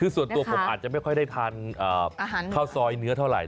คือส่วนตัวผมอาจจะไม่ค่อยได้ทานข้าวซอยเนื้อเท่าไห